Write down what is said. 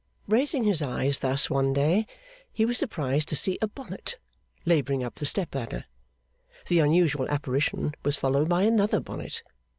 Raising his eyes thus one day, he was surprised to see a bonnet labouring up the step ladder. The unusual apparition was followed by another bonnet.